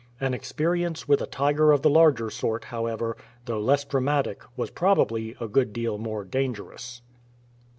An experience with a tiger of the larger sort, however, though less dramatic, was probably a good deal more dangerous.